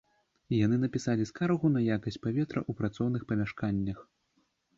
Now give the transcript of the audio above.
Яны напісалі скаргу на якасць паветра ў працоўных памяшканнях.